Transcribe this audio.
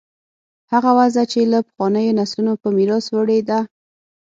هغه وضع چې له پخوانیو نسلونو په میراث وړې ده.